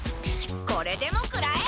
これでもくらえ！